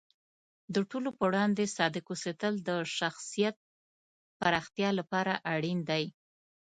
د ټولو په وړاندې صادق اوسیدل د شخصیت پراختیا لپاره اړین دی.